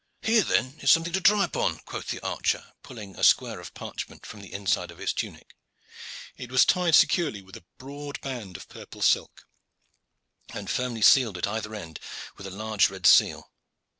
"Here, then, is something to try upon," quoth the archer, pulling a square of parchment from the inside of his tunic. It was tied securely with a broad band of purple silk, and firmly sealed at either end with a large red seal.